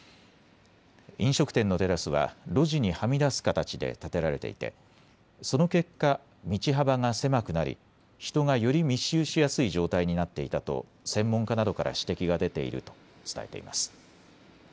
飲食店のテラスは路地にはみ出す形で建てられていてその結果、道幅が狭くなり人がより密集しやすい状態になっていたと専門家などから指摘が出ていると伝えています。